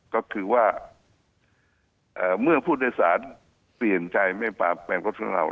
ก็คือว่าเมื่อผู้โดยสารแต่งใจมีปลาเป็นก็ถึงเรา